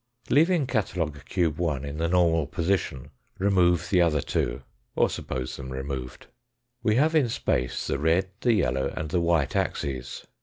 Leaving catalogue cube 1 in the normal position, remove the other two, or suppose them removed. We have in space the red, the yellow, and the white axes.